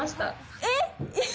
えっ？